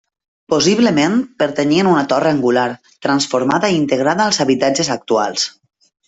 Possiblement pertanyien a una torre angular, transformada i integrada als habitatges actuals.